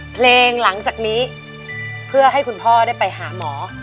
หลังจากนี้เพื่อให้คุณพ่อได้ไปหาหมอ